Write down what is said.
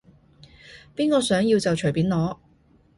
邊個想要就隨便攞